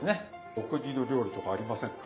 お国の料理とかありませんか？